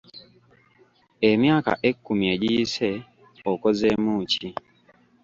Emyaka ekkumi egiyise okozeemu ki?